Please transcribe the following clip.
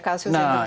kasus yang jadi